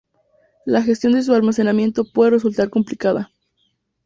La gestión de su almacenamiento puede resultar complicada.